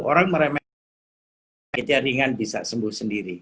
orang meremehkan kain jaringan bisa sembuh sendiri